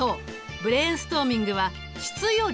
ブレーンストーミングは質より量。